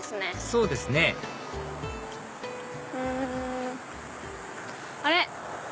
そうですねあれ？